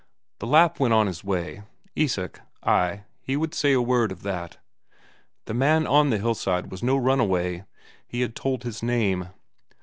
The Lapp went on his way. Isak ay, he would say a word of that. The man on the hillside was no runaway; he had told his name.